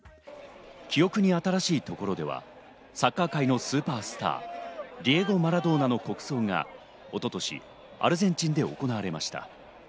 記憶に新しいところでは、サッカー界のスーパースター、ディエゴ・マラドーナの国葬が一昨年、アルゼンチンで行われました。